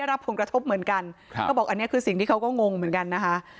รับผลกระทบเหมือนกันครับเขาบอกอันนี้คือสิ่งที่เขาก็งงเหมือนกันนะคะ